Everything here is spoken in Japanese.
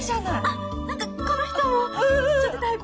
あっ何かこの人もちょっとタイプ。